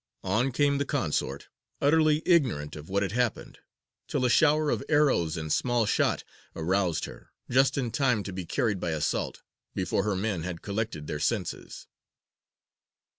On came the consort, utterly ignorant of what had happened, till a shower of arrows and small shot aroused her, just in time to be carried by assault, before her men had collected their senses.